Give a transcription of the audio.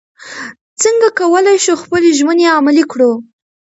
څنګه کولی شو خپلې ژمنې عملي کړو؟